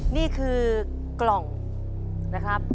นี่คือกล่องนะครับ